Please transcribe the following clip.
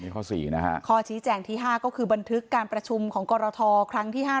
ข้อ๔นะฮะข้อชี้แจงที่๕ก็คือบันทึกการประชุมของกรทครั้งที่๕